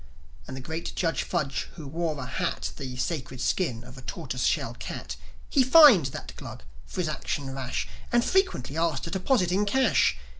And the great Judge Fudge, who wore for a hat The sacred skin of a tortoiseshell cat, He fined that Glug for his action rash, And frequently asked a deposit in cash.